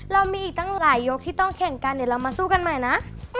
เรามีอีกตั้งหลายยกที่ต้องแข่งกันเดี๋ยวเรามาสู้กันใหม่นะ